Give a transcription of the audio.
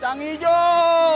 pronomennya atas nerthaliska